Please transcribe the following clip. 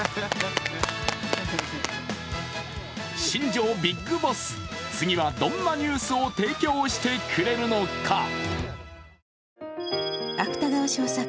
新庄ビックボス、次はどんなニュースを提供してくれるのか。